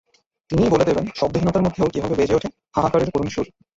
তিনিই বলে দেবেন শব্দহীনতার মধ্যেও কীভাবে বেজে ওঠে হাহাকারের করুণ সুর।